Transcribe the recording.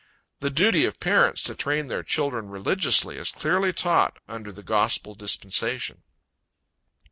The duty of parents to train their children religiously, is clearly taught under the gospel dispensation.